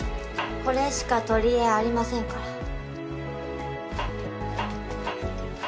これしか取りえありませんから。